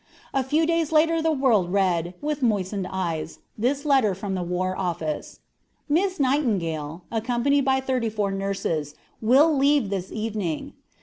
A few days later the world read, with moistened eyes, this letter from the war office: "Miss Nightingale, accompanied by thirty four nurses, will leave this evening.